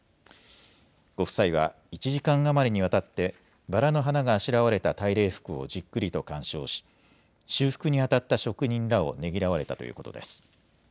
ご夫妻は１時間余りにわたって、バラの花があしらわれた大礼服をじっくりと鑑賞し、修復に当たった職人らをねぎらわれたということです。